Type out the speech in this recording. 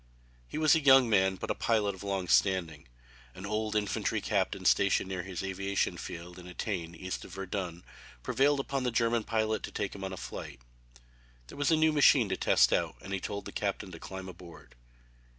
He was a young man but a pilot of long standing. An old infantry captain stationed near his aviation field at Etain, east of Verdun, prevailed upon this German pilot to take him on a flight. There was a new machine to test out and he told the captain to climb aboard.